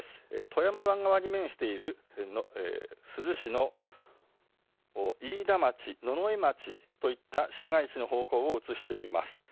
富山湾側に面しているの珠洲市の飯田町、野々江町といった市街地の方向を映しています。